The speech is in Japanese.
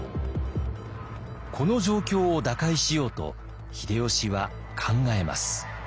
この状況を打開しようと秀吉は考えます。